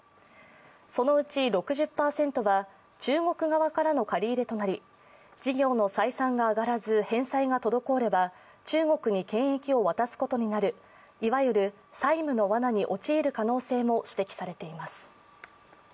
そのうち６０％は中国側からの借り入れとなり事業の採算が上がらず、返済が滞れば中国に権益を渡すことになる、いわゆる債務のわなに陥る可能性も指摘されています。